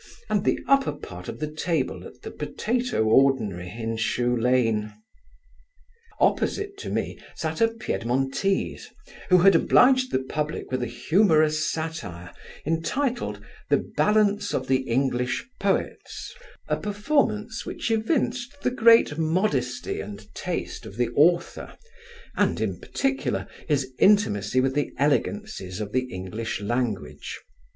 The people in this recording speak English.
and the upper part of the table at the potatoe ordinary in Shoelane. Opposite to me sat a Piedmontese, who had obliged the public with a humorous satire, intituled, The Ballance of the English Poets, a performance which evinced the great modesty and taste of the author, and, in particular, his intimacy with the elegancies of the English language.